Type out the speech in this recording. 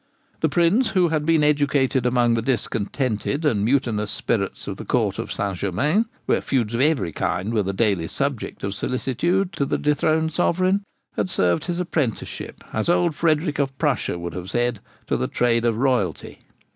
The Prince, who had been educated amongst the discontented and mutinous spirits of the court of St. Germains, where feuds of every kind were the daily subject of solicitude to the dethroned sovereign, had served his apprenticeship, as old Frederick of Prussia would have said, to the trade of royalty.